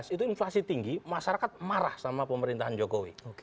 dua ribu lima belas itu inflasi tinggi masyarakat marah sama pemerintahan jokowi